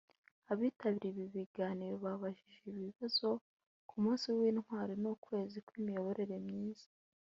Abitabiriye ibi biganiro babajije ibibazo ku munsi w’intwari n’ukwezi kw’imiyoborere myiza